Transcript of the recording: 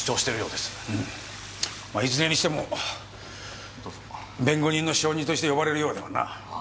まあいずれにしても弁護人の証人として呼ばれるようではな。